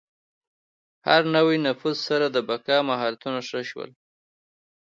هر نوي نفوذ سره د بقا مهارتونه ښه شول.